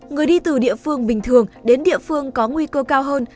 người đi từ địa phương bình thường đến địa phương có nguy cơ cao hơn